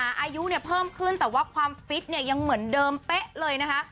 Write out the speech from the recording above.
อายุเนี่ยเพิ่มขึ้นแต่ว่าความฟิตเนี่ยยังเหมือนเดิมเป๊ะเลยนะคะ